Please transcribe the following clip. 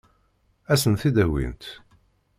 Ad sen-t-id-awint?